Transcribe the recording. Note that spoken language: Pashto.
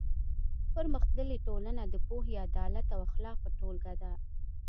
پرمختللې ټولنه د پوهې، عدالت او اخلاقو ټولګه ده.